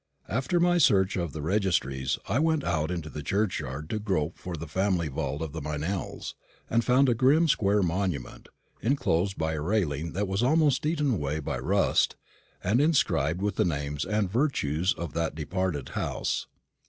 After my search of the registries, I went out into the churchyard to grope for the family vault of the Meynells, and found a grim square monument, enclosed by a railing that was almost eaten away by rust, and inscribed with the names and virtues of that departed house.